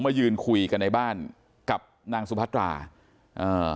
มายืนคุยกันในบ้านกับนางสุพัตราอ่า